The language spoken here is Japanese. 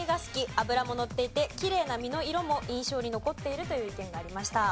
脂ものっていてきれいな身の色も印象に残っているという意見がありました。